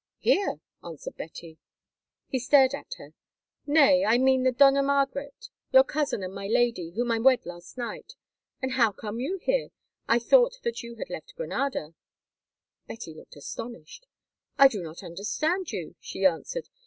"Here," answered Betty. He stared at her. "Nay, I mean the Dona Margaret, your cousin and my lady, whom I wed last night. And how come you here? I thought that you had left Granada." Betty looked astonished. "I do not understand you," she answered.